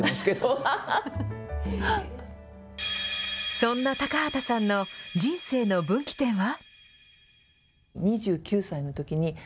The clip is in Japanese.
そんな高畑さんの人生の分岐点は。